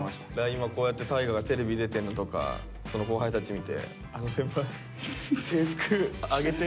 今こうやって泰我がテレビ出てんのとかその後輩たち見て「あの先輩制服あげて」。